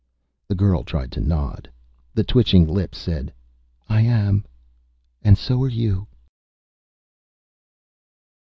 The girl tried to nod. The twitching lips said, "I am. And so are you."